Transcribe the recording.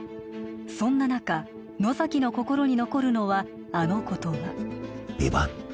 そんな中野崎の心に残るのはあの言葉ヴィヴァン？